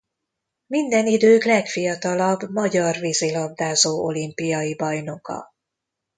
Minden idők legfiatalabb magyar vízilabdázó olimpiai bajnoka.